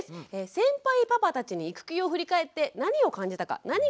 先輩パパたちに育休を振り返って何を感じたか何が変わったのか聞きました。